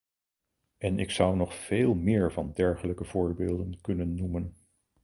En ik zou nog veel meer van dergelijke voorbeelden kunnen noemen.